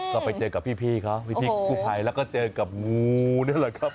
ก็ไปเจอกับพี่เขาพี่กู้ภัยแล้วก็เจอกับงูนี่แหละครับ